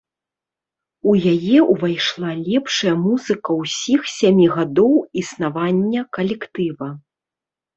У яе ўвайшла лепшая музыка ўсіх сямі гадоў існавання калектыва.